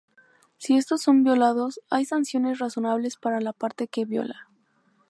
Si estos son violados, hay sanciones razonables para la parte que viola.